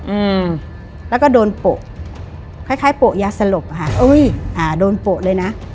อืมแล้วก็โดนโปะคล้ายคล้ายโปะยาสลบค่ะอุ้ยอ่าโดนโปะเลยนะ